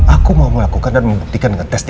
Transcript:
aku mau melakukan dan membuktikan dengan tes dna